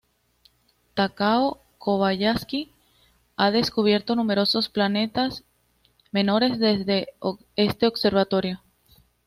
Takao Kobayashi ha descubierto numerosos planetas menores desde este observatorio.